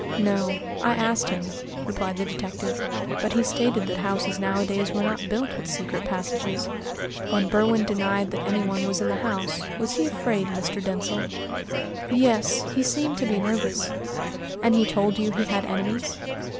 "No; I asked him," replied the detective, "but he stated that houses nowadays were not built with secret passages. When Berwin denied that anyone was in the house, was he afraid, Mr. Denzil?" "Yes, he seemed to be nervous." "And he told you he had enemies?"